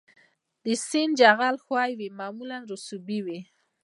د سیند جغل ښوی وي او معمولاً رسوبي وي